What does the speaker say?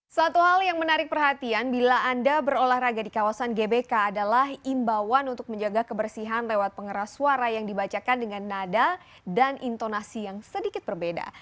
satu hal yang menarik perhatian bila anda berolahraga di kawasan gbk adalah imbauan untuk menjaga kebersihan lewat pengeras suara yang dibacakan dengan nada dan intonasi yang sedikit berbeda